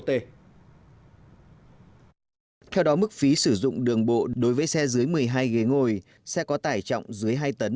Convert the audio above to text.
theo đó mức phí sử dụng đường bộ đối với xe dưới một mươi hai ghế ngồi xe có tải trọng dưới hai tấn